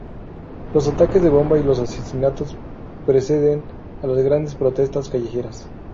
Los ataques de bomba y los asesinatos preceden a las grandes protestas callejeras.